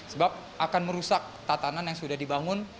sebab akan merusak tatanan yang sudah dibangun